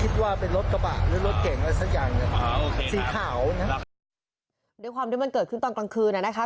ด้วยความด้วยมันเกิดขึ้นตอนกลางคืนนะนะคะ